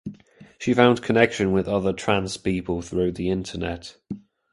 She found connection with other trans people through the internet.